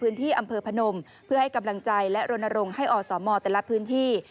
พื้นที่อำเภอพนมเพื่อให้กำลังใจและรณรงค์ให้อสมแต่ละพื้นที่